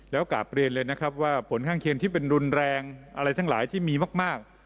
แล้วกลับเรียนเลยนะครับว่าผลข้างเคียงที่เป็นรุนแรงอะไรทั้งหลายที่มีมาก